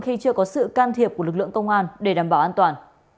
khi chưa có sự can thiệp của lực lượng công an để đảm bảo an toàn